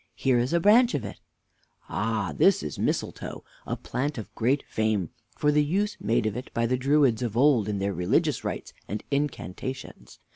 Here is a branch of it. Mr. A. Ah! this is mistletoe, a plant of great fame for the use made of it by the Druids of old in their religious rites and incantations.